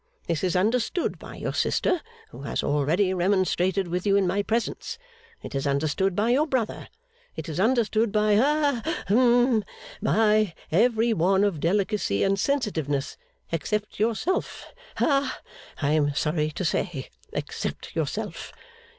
This is understood by your sister, who has already remonstrated with you in my presence; it is understood by your brother; it is understood by ha hum by every one of delicacy and sensitiveness except yourself ha I am sorry to say, except yourself.